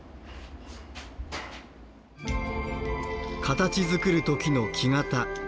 形づくる時の木型。